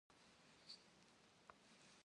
Yêr vı bjakhuem khoç'.